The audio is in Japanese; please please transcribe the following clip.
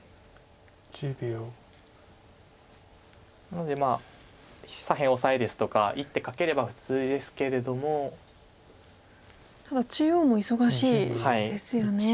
なので左辺オサエですとか１手かければ普通ですけれども。ただ中央も忙しいですよね。